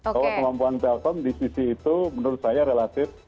bahwa kemampuan telkom di sisi itu menurut saya relatif